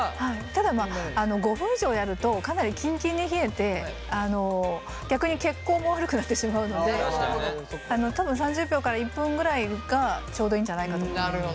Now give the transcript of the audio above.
ただ５分以上やるとかなりキンキンに冷えて逆に血行も悪くなってしまうので多分３０秒から１分ぐらいがちょうどいいんじゃないかと思います。